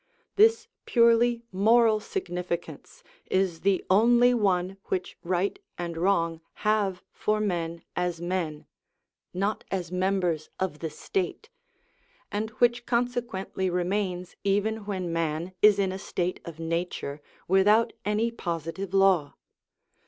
This purely moral significance is the only one which right and wrong have for men as men, not as members of the State, and which consequently remains even when man is in a state of nature without any positive law.